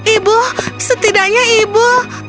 ibu setidaknya ibu